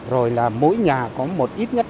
rồi là mỗi nhà có một ít nhất